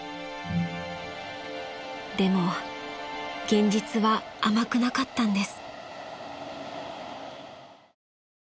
［でも現実は甘くなかったんです］